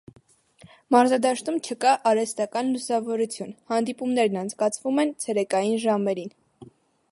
Մարզադաշտում չկա արհեստական լուսավորություն, հանդիպումներն անցկացվում են ցերեկային ժամերին։